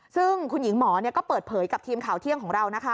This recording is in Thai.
ซึ่งคุณหญิงหมอก็เปิดเผยกับทีมข่าวเที่ยงของเรานะคะ